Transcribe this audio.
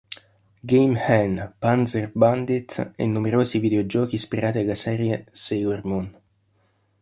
Game-hen", "Panzer Bandit" e numerosi videogiochi ispirati alla serie "Sailor Moon".